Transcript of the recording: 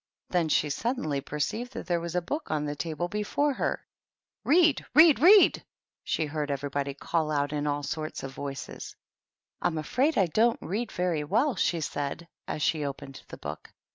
Then she suddenly per ceived that there was a book on the table before her. 68 THE TEA TABLE. " Read ! read ! read !" she heard everybody call out in all sorts of voices. " I'm afraid I don't read very well," she said, as she opened the book.